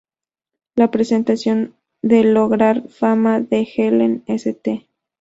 La pretensión de lograr fama, de Helen St.